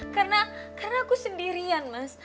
karena aku sendirian mas